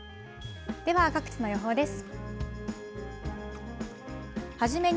では、各地の予報です。